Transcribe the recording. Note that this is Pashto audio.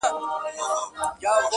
شل او دېرش کاله پخوا یې ښخولم!